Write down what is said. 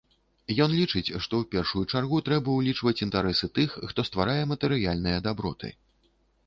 Ён лічыць, што ў першую чаргу трэба ўлічваць інтарэсы тых, хто стварае матэрыяльныя даброты.